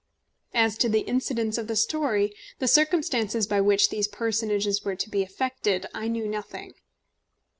As to the incidents of the story, the circumstances by which these personages were to be affected, I knew nothing.